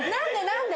何で？